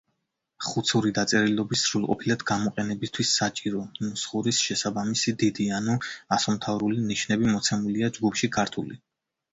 ხუცური დაწერილობის სრულყოფილად გამოყენებისთვის საჭირო, ნუსხურის შესაბამისი დიდი, ანუ ასომთავრული ნიშნები მოცემულია ჯგუფში ქართული.